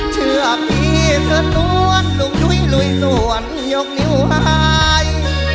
เชื่อพี่เธอต้วนลูกดุ้ยลุยส่วนยกนิ้วหาย